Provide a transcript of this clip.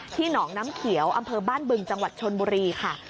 หนองน้ำเขียวอำเภอบ้านบึงจังหวัดชนบุรีค่ะ